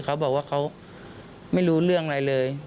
เขาบอกว่าเขาไม่รู้เรื่องอะไรเลย